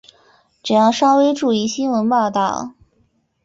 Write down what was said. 只要稍微注意新闻报导